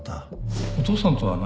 お父さんとは何か問題